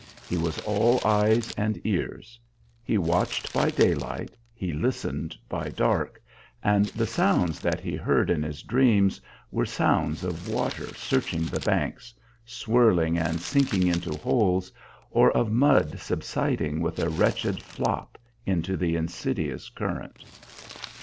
He was all eyes and ears; he watched by daylight, he listened by dark, and the sounds that he heard in his dreams were sounds of water searching the banks, swirling and sinking into holes, or of mud subsiding with a wretched flop into the insidious current.